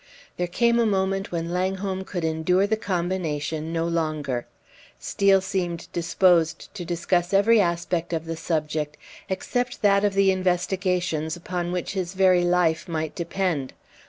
There came a moment when Langholm could endure the combination no longer. Steel seemed disposed to discuss every aspect of the subject except that of the investigations upon which his very life might depend.